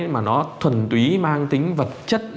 mà nó thuần túy mang tính vật chất